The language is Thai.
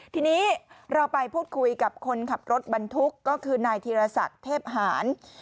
ทีนี้เราไปพูดคุยกับคนขับรถบรรทุกก็คือนายธีรศักดิ์เทพหาร